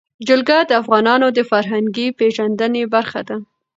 جلګه د افغانانو د فرهنګي پیژندنې برخه ده.